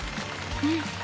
うん。